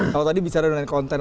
kalau tadi bicara dengan konten